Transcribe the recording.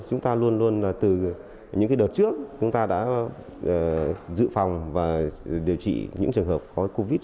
chúng ta luôn luôn từ những đợt trước chúng ta đã giữ phòng và điều trị những trường hợp có covid